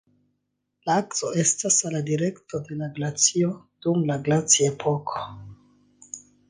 La akso estas al la direkto de la glacio dum la glaciepoko.